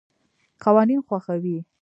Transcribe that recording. قوانین خوښوي.